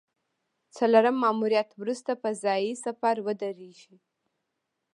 څلورم ماموریت وروسته فضايي سفر ودرېږي